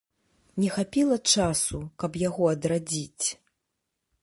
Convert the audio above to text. Не хапіла часу, каб яго адрадзіць.